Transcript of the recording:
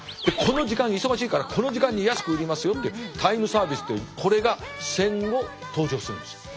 でこの時間忙しいからこの時間に安く売りますよっていうタイムサービスというこれが戦後登場するんです。